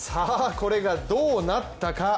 これがどうなったか。